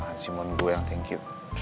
ya makasih mohon gue yang thank you